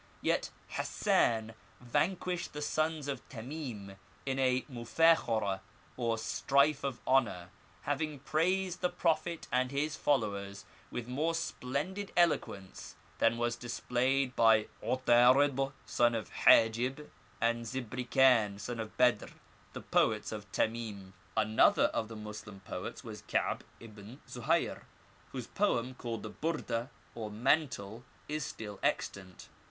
Yet Hassan vanquished the sons of Temim in a mufdJcharah, or ^strife of honour,^ having praised the Prophet and his followers with more splendid elo quence than was displayed by 'Otdrid, son of Hajib, and Zibrikdn, son of Bedr, the poets of Temim. Another of the Moslem poets was Ka'b ibn Zohayr, whose poem, called the Burdeh, or Mantle, is still extant.